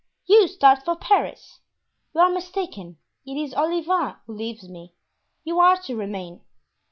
You start for Paris? You are mistaken; it is Olivain who leaves me; you are to remain."